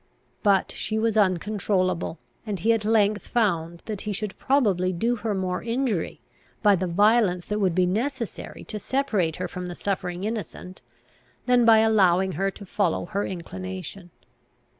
But she was uncontrollable; and he at length found that he should probably do her more injury, by the violence that would be necessary to separate her from the suffering innocent, than by allowing her to follow her inclination.